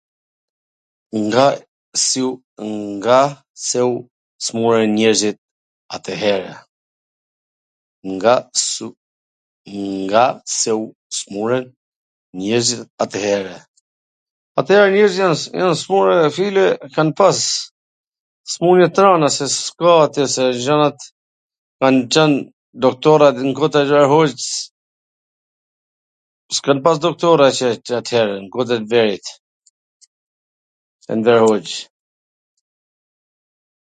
Nga se u swmurwn njerzit atwhere? At-here njerzit jan smurw re file, kan pas smun-je t rwnda, se s ka atje, se gjanat kan Cwn doktorat nw koh tw Enver Hoxhws, s kan pas doktora qw atere, n koh tw Enverit, Enver Hoxhws.